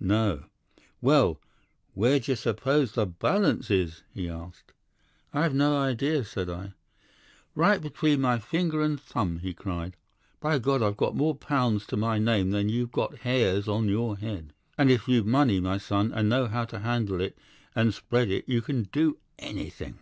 "'"No." "'"Well, where d'ye suppose the balance is?" he asked. "'"I have no idea," said I. "'"Right between my finger and thumb," he cried. "By God! I've got more pounds to my name than you've hairs on your head. And if you've money, my son, and know how to handle it and spread it, you can do anything!